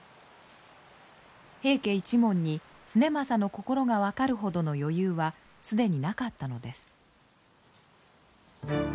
平家一門に経正の心が分かるほどの余裕は既になかったのです。